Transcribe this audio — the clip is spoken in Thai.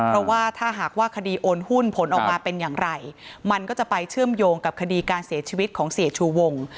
เพราะว่าถ้าหากว่าคดีโอนหุ้นผลออกมาเป็นอย่างไรมันก็จะไปเชื่อมโยงกับคดีการเสียชีวิตของเสียชูวง